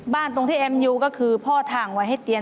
ตรงที่แอมอยู่ก็คือพ่อถ่างไว้ให้เตีย